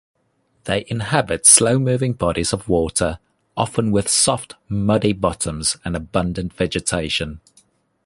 They inhabit slow-moving bodies of water, often with soft, muddy bottoms and abundant vegetation.